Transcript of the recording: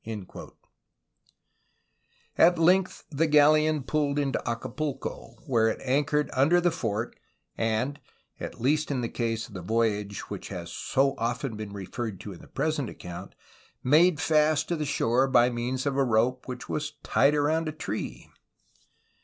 THE MANILA GALLEON 95 At length the galleon pulled into Acapulco, where it anchored under the fort and (at least in the case of the voy age which has been so often referred to in the present ac count) made fast to the shore by means of a rope which was tied around a tree!